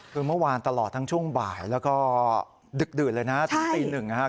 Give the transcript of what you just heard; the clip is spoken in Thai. คือเมื่อวานตลอดทั้งช่วงบ่ายแล้วก็ดึกดื่นเลยนะถึงตีหนึ่งนะครับ